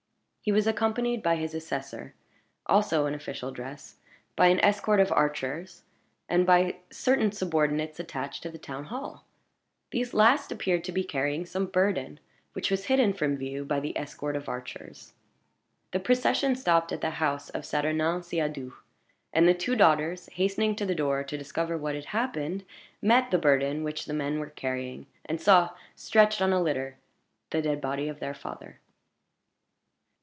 He was accompanied by his assessor (also in official dress), by an escort of archers, and by certain subordinates attached to the town hall. These last appeared to be carrying some burden, which was hidden from view by the escort of archers. The procession stopped at the house of Saturnin Siadoux; and the two daughters, hastening to the door to discover what had happened, met the burden which the men were carrying, and saw, stretched on a litter, the dead body of their father.